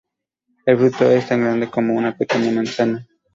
El fruto es tan grande como una pequeña manzana.